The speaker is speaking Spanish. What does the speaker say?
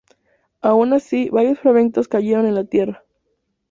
Aun así, varios fragmentos cayeron a la tierra.